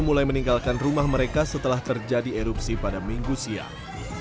mulai meninggalkan rumah mereka setelah terjadi erupsi pada minggu siang